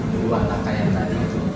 dua langkah yang tadi